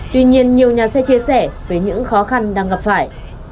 tuy nhiên nhiều nhà xe chia sẻ về những khó khăn đang gặp phải